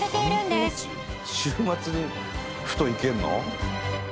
週末にふと行けるの？